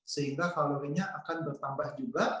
sehingga kalorinya akan bertambah juga